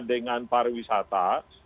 dengan para wisata